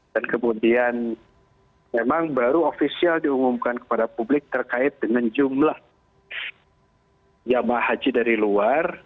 dan kemudian memang baru ofisial diunggumkan kepada publik terkait dengan jumlah jemaah haji dari luar